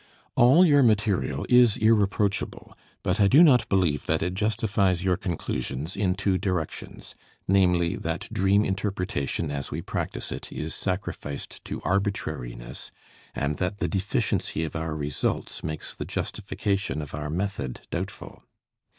All your material is irreproachable, but I do not believe that it justifies your conclusions in two directions, namely, that dream interpretation as we practice it is sacrificed to arbitrariness and that the deficiency of our results makes the justification of our method doubtful.